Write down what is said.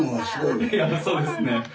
いやそうですね。